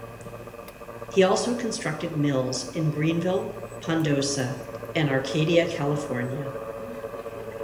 He also constructed mills in Greenville, Pondosa, and Arcadia, California.